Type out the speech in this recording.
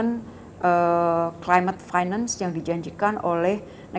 yang kita kejar adalah komitmen climate finance yang kita kejar adalah komitmen climate finance